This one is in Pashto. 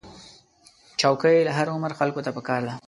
چوکۍ له هر عمر خلکو ته پکار ده.